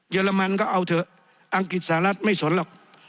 อรมันก็เอาเถอะอังกฤษสหรัฐไม่สนหรอก